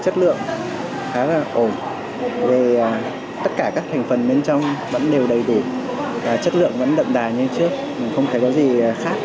chúng giữ được chất lượng khá là ổn tất cả các thành phần bên trong vẫn đều đầy đỉnh chất lượng vẫn đậm đà như trước không thấy có gì khác